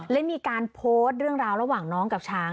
และมีการโพสต์เรื่องราวระหว่างน้องกับช้าง